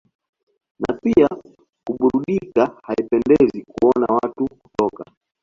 na pia kuburudika Haipendezi kuona watu kutoka